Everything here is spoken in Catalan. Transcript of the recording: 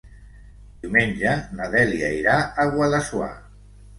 Diumenge na Dèlia irà a Guadassuar.